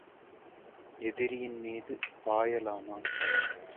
எதிரியின் மீது பாயலாமா?